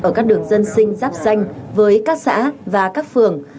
ở các đường dân sinh giáp danh với các xã và các phường